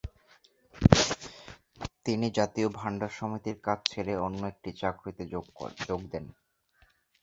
তিনি জাতীয় ভান্ডার সমিতির কাজ ছেড়ে অন্য একটি চাকুরীতে যোগ দেন।